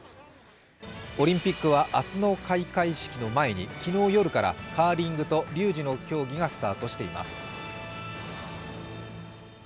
オリンピックは明日の開会式の前に昨日夜からカーリングとリュージュの競技がスタートしています。